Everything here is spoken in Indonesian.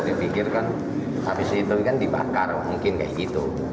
dia pikirkan habis itu kan dibakar mungkin kayak gitu